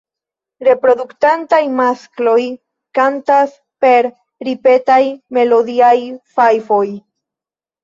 Reproduktantaj maskloj kantas per ripetaj melodiaj fajfoj.